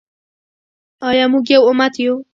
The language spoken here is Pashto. آیا موږ یو امت یو؟